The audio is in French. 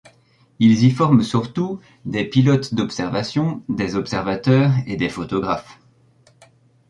Ils y forment surtout des pilotes d'observation, des observateurs et des photographes.